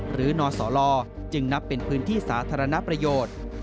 นสลจึงนับเป็นพื้นที่สาธารณประโยชน์